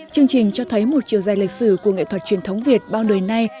chương trình cho thấy một chiều dài lịch sử của nghệ thuật truyền thống việt bao đời nay